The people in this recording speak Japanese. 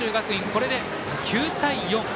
これで９対４。